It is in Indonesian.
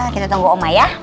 kita tunggu oma ya